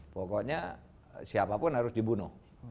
pokoknya siapapun harus dibunuh